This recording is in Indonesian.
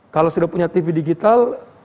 kalau sudah punya tv digital